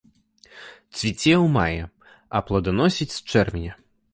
Цвіце ў маі, а плоданасіць з чэрвеня.